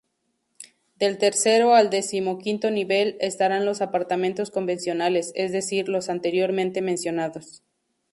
Del tercero al decimoquinto nivel, estarán los apartamentos convencionales, es decir los anteriormente mencionados.